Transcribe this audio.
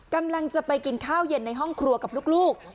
กำลังจะไปกินข้าวเย็นในห้องครัวกับลูก